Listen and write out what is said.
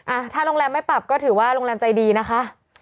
อ่ะถ้าโรงแรมไม่ปรับก็ถือว่าโรงแรมใจดีนะคะ